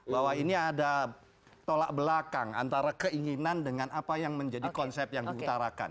bahwa ini ada tolak belakang antara keinginan dengan apa yang menjadi konsep yang diutarakan